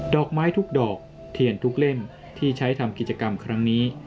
อกไม้ทุกดอกเทียนทุกเล่มที่ใช้ทำกิจกรรมครั้งนี้